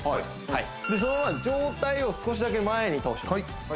上体を少しだけ前に倒します